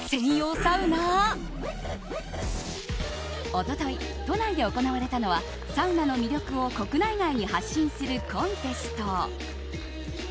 一昨日、都内で行われたのはサウナの魅力を国内外に発信するコンテスト。